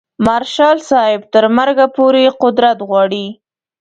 مارشال صاحب تر مرګه پورې قدرت غواړي.